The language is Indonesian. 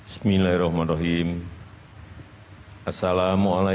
selamat pagi salam sejahtera bagi kita semuanya